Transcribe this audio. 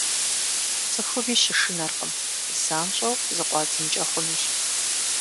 ЦӀыхуми щышынэркъым – занщӀэу зыкъуадзынкӀэ хъунущ.